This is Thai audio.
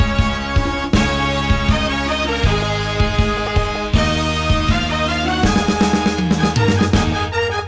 กลับไปให้ที่ประโดยแรงของเยี่ยมพวกข้าพลาด